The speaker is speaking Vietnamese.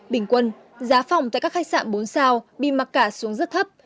bình quân giá phòng tại các khách sạn bốn sao bị mặc cả xuống rất thấp